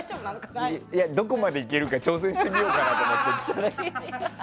どこまでいけるか挑戦してみようかなと思って。